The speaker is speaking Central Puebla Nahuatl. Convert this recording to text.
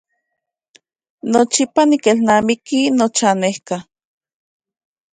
Nochipa nikilnamiki nochanejka.